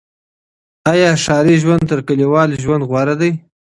آيا ښاري ژوند تر کليوالي ژوند غوره دی؟